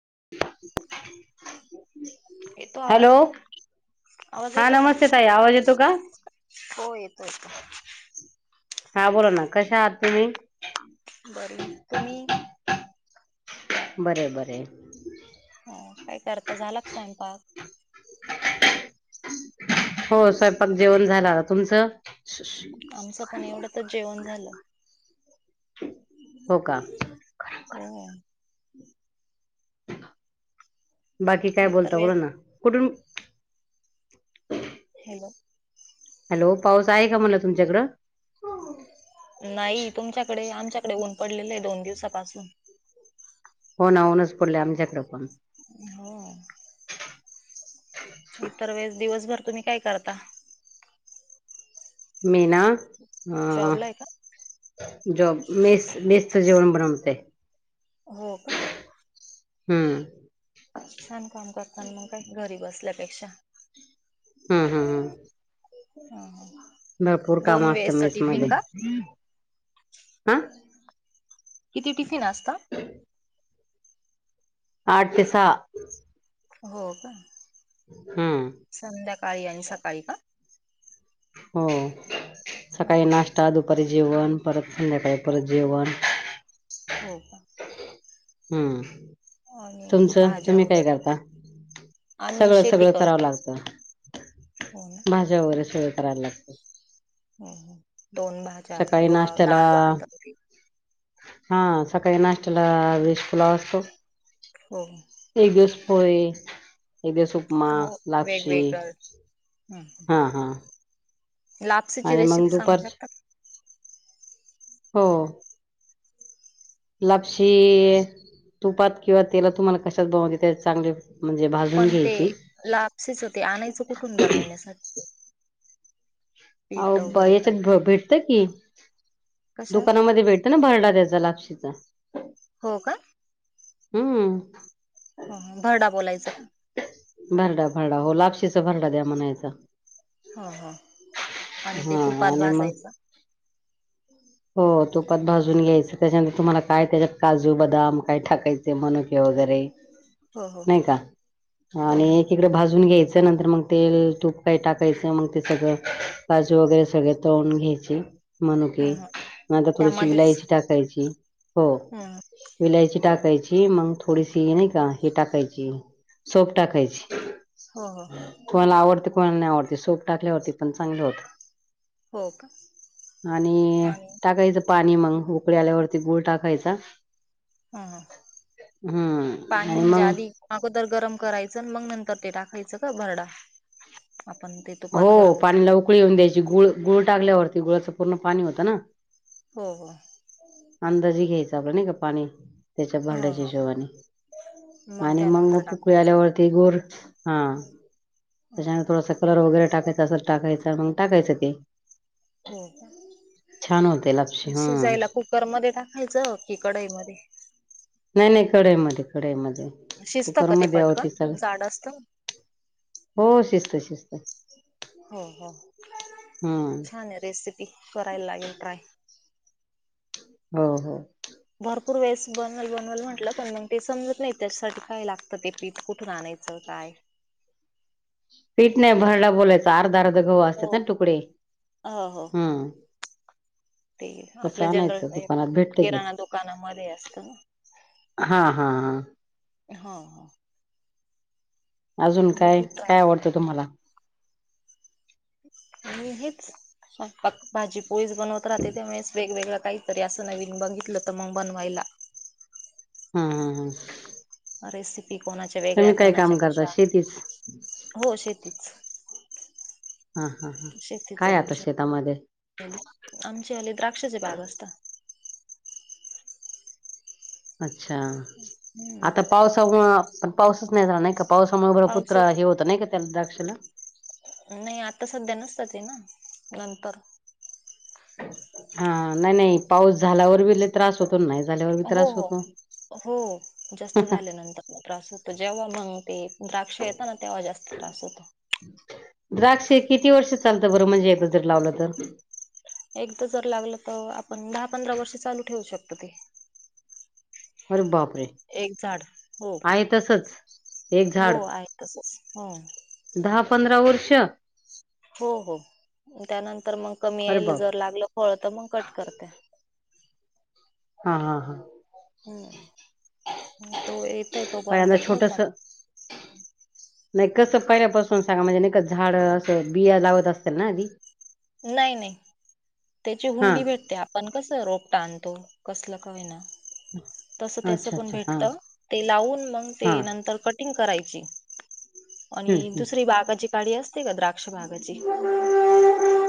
[unintelligible] येतो हॅलो आवाज? आवाज हा येतो का? नमस्ते ताई, आवाज येतो का? हो येतो येतो. हा बोला ना कश आहात तुम्ही? बरी हाय. तुम्ही? बरीयाय, बरीयाय. ह काय करता झाला स्वयंपाक? हो स्वयंपाक जेवण झाला. तुमचं? आमचं पण एवढ तर जेवण झालं. हो का हो. बाकी काय इतर बोलता बोला वेळेस ना? कुठून. हॅलो. हॅलो. पाऊस आहे का मला तुमच्याकडं. नाही तुमच्याकडे, आमच्याकडे, ऊन पडलेलं आहे. दोन दिवसापासून. हो ना हो ऊनच पडलय. आमच्याकडे पण. हो. इतर वेळेस दिवसभर तुम्ही काय करता? मी, ना. जॉबला आहे का? जोब मेस. मेसच जेवन बनवते. हो का. हम्म. छान काम करताना मग काही घरी बसल्यापेक्षा. हम्म हम्म हम्म ह. भरपूर काम दोन असतं वेळचे मेस मध्ये टिफिन का? हा किती टिफिन असत? आठ ते सहा. हो का? हम्म संध्याकाळी आणि सकाळी का? हो. हो सकाळी हो नाश्ता, दुपारी जेवण परत, संध्याकाळी परत जेवण. हो का? हम्म. आणि तुमचं भाज्या तुम्ही वगैरे काय करता? आम्ही शेती सगळं-सगळं करावं करतो लागत. हो ना भाज्या वगैरे सगळ करायला लागत. दोन भाज्या किंवा नाश्त्याला दाळ भात. हा सकाळी नाष्त्याला व्हेज फुलाव असतो. हो एक दिवस पोहे. एक दिवस उपमा हो लापक्षी. वेगवेगळं हा हा. लापसची आणि मग रेसिपी सांगू दुपारची शकतात. हो. लापशी इ तुपात किंवा तेला तुम्हाला कशात बनून देते चांगले. म्हणजे भाजून पण ते घ्यायची लापसीचं ते आणायचं कुठून बनवण्यासाठी. पीठ अ वगैरे काय याच्यात भेटत की कशात दुकानामध्ये भेटतं ना भरड देत. ला लापशीचा. हो का हम्म. हो भरडा बोलायचं का. भरडा भरडा हो लापशीचा भरडा द्या म्हणायचा. ह ह आणि ते हा तुपात आणि मग भाजयचं. हो तुपात भाजून घ्यायचं त्याच्यानंतर तुम्हाला काय त्याच्यात काजू बदाम काय टाकायचे मनुके वगै वगैरे हो हो नाही का हो आणि एकीकडे भाजून घ्यायचं. त्यानंतर मग तेल तूप काही टाकायच मग ते सगळं काजू वगैरे. सगळे तळून घ्यायचे ह मनूके. ह म आता थोडीशी त्यामध्येच विलायची टाकायची हो. हम्म विलायची टाकायची मग थोडीशी नाही का हे टाकायची सोफ टाकायची. हो हो. कोणाला आवडते कोणाला नाही आवडती सोफ. टाकल्यावरती पण चांगले होत, हो का आणि. टाकायचं पाणी मग उकळी आल्यावरती गुळ टाकायचा. ह ह हम्म पाणी आणि म्हणजे मग आधी अगोदर गरम करायचं मग नं तर ते टाकायचं का भरडा? आपण ते तुपात हो गरम पाणीला केलेलं उकळी येऊन द्यायची गुळ गुळ टाकल्यावरती गुळाचं पूर्ण पाणी होतं ना. हो हो अंदाजे घ्यायचं नाही का पाणी. त्याच्या हा भांड्याच्या हा हिशोबाने. आणि त्यानंतर मग उकळी टाकायचं आल्यावरती गोर हा. हम्म त्याच्याम थोडासा कलर वगैरे टाकायचा असं टाकायचं मग टाकायचं ते. हो का छान होते लापशी हा शिजायला कुकर मध्ये टाकायचं की, कढई. मध्ये. नाही नाही कडईमध्ये कढईमध्ये. शिजतं कुकर का ते मध्ये होती सग पटकन जाड असतं हो शिस्त शिस्त. हो हो छान आहे, रेसिपी करायला लागेल ट्राय. हो हो. भरपूर वेळेस बनवल बनवल म्हटलं पण मग ते समजत नाही त्याच्यासाठी काय लागतं ते पीठ कुठंन आणा यच काय. [inaudible] पीठ नाही भरडा बोलायचा अर्धा, अर्ध गहु हो असतात ना तुकडे हो हो ह. ते आपलं जनरल दुकानात भेटत की किराणा दुकानामध्ये असत ना. हा हा हा. हो हो अजून काय बघू ट्राय काय आवडतं तुम्हाला? मी हेच स्वयंपाक भाजी पोळीच बनवत राहते त्यामुळेच वेगवेगळ. काहीतरी असं नवीन बघितलं तर मग बनवायला हा हा हा. की कोणाच्या वेगळ्या तुम्ही काय कोणाच्या काम करता कशा शेतीच हो शेतीच. हा हा हा काय आता शेतामध्ये? आमचे हले द्राक्षाचे बाग असता. अच्छा, हम्म आता पावसा पण पाऊसच नाही झाला नाही का. पावसाममुळं उभ पुत्रा पावसात हे होत नाही का त्या द्राक्षाला नाही आता सध्या नसतात हे ना, नंतर हा. नाही, नाही पाऊस झाल्यावर वि लय त्रास होत हो, हो, हो. जास्त झाल्यानंतर त्रास होतो जेव्हा मंग ते द्राक्ष येत ना तेव्हा जास्त त्रास होतो. द्राक्ष किती वर्ष चालतं बरं? म्हणजे एकदा जर लावलं तर. एकदा जर लावलं तर आपण दहा, पंधरा वर्ष चालू ठेवू शकतो ते. अरे बापरे! एक झाड हो आहे तसंच. हो. आहे तसंच हो. दहा पंधरा वर्ष हो हो. त्यानंतर मग कमी यायला बाप जर लागलं फळ तर मग कट करते. हा. हा. हा. हम्म. तो येतय तोपर्यंत पहिल्यांदा छोटस ठेवतात. नाही कसं पहिल्यापासून सांगा म्हणजे न झाडं असं बिया लावत असतील ना आधी नाही नाही त्याची हा हुंडी भेटते. आपण कसं रोपटं आणतो. कसलं का होईना तसं त्याच अच्छा पण अच्छा हा भेटत, ते लावून मग हा ते नंतर कटिंग करायची हम्म आणि हम्म दुसरी बाग जी गाडीअसते का द्राक्ष बागाची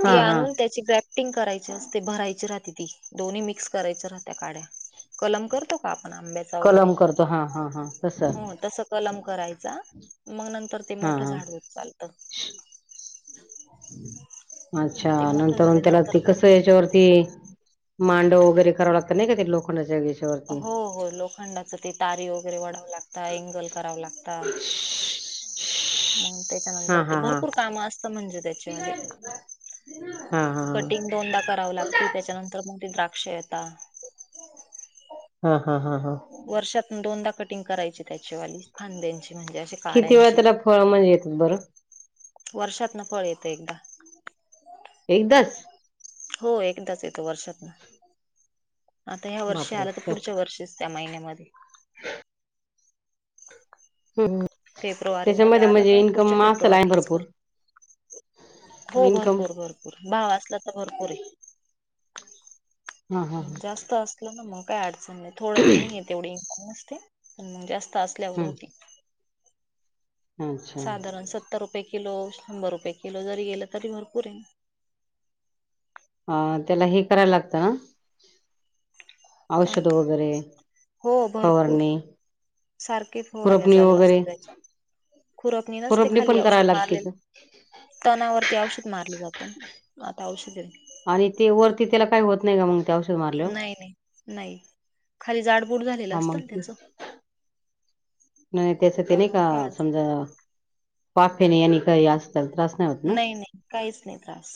हा ती हा आणून त्याची ग्राफ्टिंग करायची असते भरायची राहते ती, दोन्ही मिक्स करायच्या राहत्या काड्या कलम करतो का? आंब्याचा वैगेरे कलम करतो हा हा हा तसं हो तसा कलम करायचा मग नंतर ते हा मोठं हा झाड होत चालतं. अच्छा! मग ते मोठं नंतर त्याला झाल्यानंतर ते ब कसं याच्यावरती मांडव वगैरे कराव लागत नाही का ते लोखंडाच्या याच्यावरती हो, हो. लोखंडाच ते तारी वगैरे ओढावं लागत, एंगल करावं लागत [inaudible] मग हा त्याच्यानंतर ते हा हा भरपूर काम असत म्हणजे त्याच्यावाले हा हा कटिंग दोनदा करावं लागती, त्याच्या नंतर मग ते द्राक्ष येतात. हा, हा, हा. वर्षातुन दोनदा कटिंग करायची त्याचेवाली फांद्यांची. म्हणजे अशी किती वेळा काड्यांची त्याला फळ म्हणजे येतात बरं वर्षात न फळ येत एकदा. एकदाच? हो एकदाच येतो वर्षातन, आता ह्या वर्षी बापरे आलं तर पुढच्या वर्षीच- त्या महिन्यामध्ये- ह [unintelligible] फेब्रुवारी मध्ये त्याच्यामध्ये आलं म्हणजे का पुढच्या इन्कम आसल आहे फेब्रुवारीलाच कर भरपूर- हो इन्कम भरपूर-भरपूर भाव असला तर भरपूर आहे- हा हा जास्त असल ना मग काही अडचण नाही. थोड्यात नाहीय तेवढी इनकम असते. पण मग जास्त- असल्यामूळ ह होते. अच्छा साधारण सत्तर रुपये किलो. किलो. शंभर रुपये किलो. जरी गेलं तरी भरपूर हे. अ त्याला हे करायला लागतं ना- काय औषध वगैरे हो भरपूर फवारणी- सारखे फवारण्या खुरपणी चालू असते. वगैरे त्यांच्या - खुरपनी नसते खुरपणी खाली. पण औषध करायला लागते का मारलेले- तणावरती औषध मारलं जातं, आता औषध- आणि ते वरती त्याला काही होत नाही का मग? ते औषध मारल्यावर नाही नाही नाही खाली जाडबूड झालेलं हा असतं मग ना ते त्याच-. नाही नाही त्याच ते नाही त्यामुळे का काय अडचण समजा वाफेन यांनी काही असं - नाही नाही काहीच नाही त्रास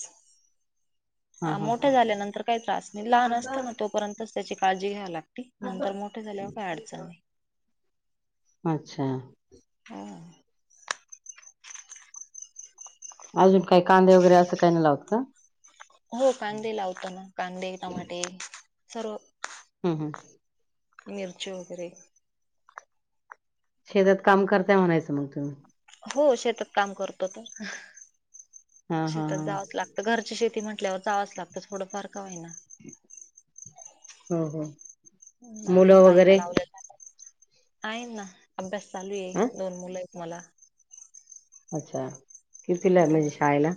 हा ह हा मोठ्या झाल्यानंतर काही त्रास नाही लहान असत ना तोपर्यंत त्याची- काळजी घ्या लागते नंतर मोठे झाल्यावर काय अडचण नाही. अच्छा- अजुन काही कांदे वगैरे असं काही ना लावत काॽ हो कांदे लावतो ना कांदे टमाटे सर्व- हम्म हम्म. मिरची वगैरे- शेतात काम करताय म्हणायचं मग तुम्ही- हो शेतात काम करतो तर हा हा शेतात हा जावंच लागत घरची शेती म्हटल्यावर जावंच लागतं थोडं फार का होई ना. हो हो. मुलं बायका वगैरे लावलेल्या, आहे ना अभ्यास चालू आहे हा दोन मुलं- मला- अच्छा कित विला आहे हो म्हणजे शाळेला-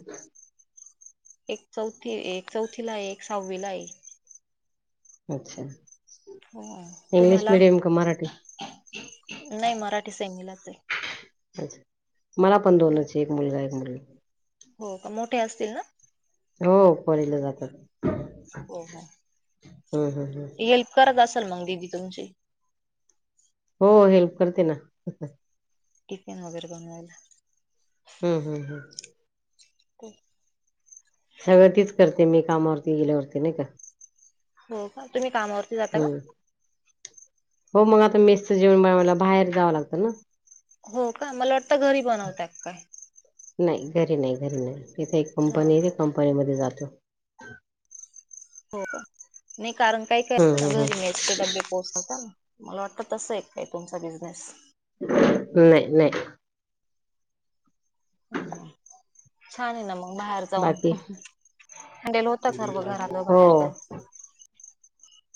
एक चौथी एक चौथीला आहे एक सहावीला आहे- अच्छा हो इंग्लिश तुम्हाला मीडियम का मराठी- नाही मराठी सैनलाच आहे. अच्ा मला पण दोनच एक मुलगा एक मुलगा. हो का मोठे असतील ना. हो पहिलीला जातात. हो हो हम्म हम्म हम्म हेल्प करत अस. ल मगली ती तुमची. हो हेल्प करते ना. टिफिन वगैरे बनवायला. हम्म हम्म हम्म [unintelligible] सगळं तीच करते मी कामावरती गेल्यावरती नाही का? हो का तुम्ही कामावरती जाता का. हम्म हो मग आता मेस्चं जेवण बनवायला बाहेर जावं लागतं ना. हो का मला वाटतं घरी बनवतत काय. नाही घरी नाही घरी नाही इथे एक हा हा. कंपनी आहे कंपनी मध्ये जातो. हो का नाही कारण काही काय हम्म असतं हम्म ना घरी मयचे डबे हम्म पोहचवता ना मला वाटतं तस एक काय तुमचा बिझनेस. नाही नाही. हम् ह छान आहे ना मग बाहेर जाऊन. बाकी हांडेल होत सर्व घरानं हो बाहेरच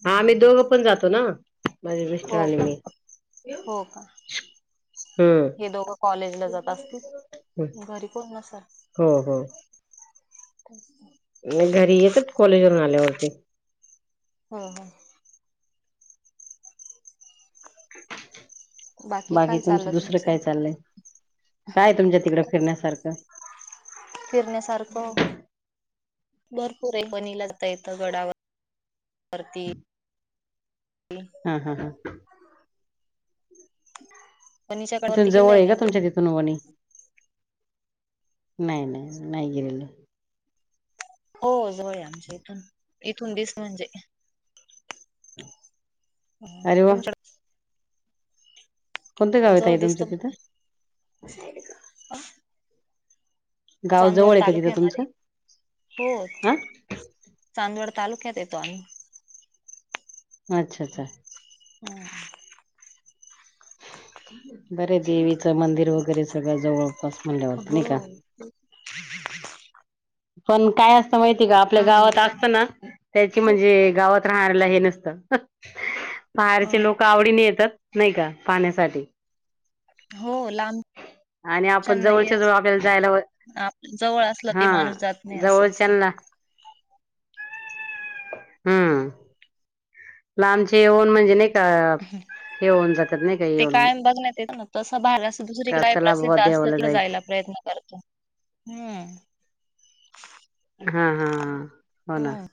हा मी दोघं पण जातो ना. माझे मिस्टर हो आणि का मी हो का. हम्म हे दोघं कॉलेजला जात असतील. हम्म. घरी कोण अससा. हो हो घरी येतच कॉलेजवरून आल्यावरती. हो ह. बाकी तुमचं दुसरं काय चाललंय. काय तुमच्या तिकडं फिरण्यासारखं. फिरण्यासारख. भरपूर एक बनी लागता येतं गडावर वरती. हा हा हा. फनीच्या तिथून कडावरती किल्ला जवळ की आहे का नाही इथून तुमच्या तिथून वणी. नाही, नाही, नाही गेलेल. हो जवळ आमच्या इथून, इथून दिस म्हणजे. अ अरे वा तुमच्याकड कोणतं गाव येत जवळ आहे ताई दिसत तुमचं म तिथं गाव चांदवड जवळ आहे का तिथं तालुक्या मध्ये तुमचं हो हा चांदवड तालुक्यात येतो आणि अच्छा, अच्छा हूं! बरे देवीचं मंदिर वगैरे सगळं जवळपास म्हणल्यावरती हो! नाही का पण काय असत माहिती का, आपल्या दहा गावात मिनिटं असत ना त्याची झाली म्हणजे गावात राहणारला हे नसत अ बाहेरचे लोक आवडीने येतात नाही का पाहण्यासाठी हो लांब आणि आपण जवळच्या, जवळ आपल्याला जायला आप जवळ असलं ते हा माणूस जात नाही असं असत. जवळच्याला हूं लांबचे येऊन म्हणजे नही का? हे होऊन जातात नाही का ते येऊन कायम बघण्यात येत ना, तसं बाहेर अस दुसरीकडे का काय चला बुवा प्रसिद्ध असल्या देवाला तीत जायला जायचं प्रय हूं! हा हा हा हो ना! हम्म.